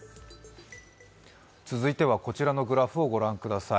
続いてはこちらのグラフをご覧ください。